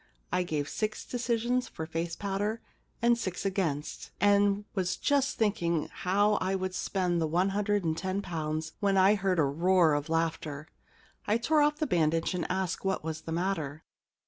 I gave six decisions for face powder and six against, and was just thinking how I would spend the hundred and ten pounds when I heard a roar of laughter. I tore off the bandage and asked what was the matter.